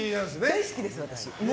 大好きです、私。